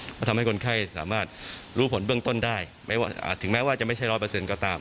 เพราะทำให้คนไข้สามารถรู้ผลเบื้องต้นได้ถึงแม้ว่าจะไม่ใช่ร้อยเปอร์เซ็นต์ก็ตาม